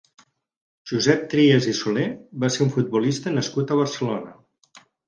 Josep Trias i Solé va ser un futbolista nascut a Barcelona.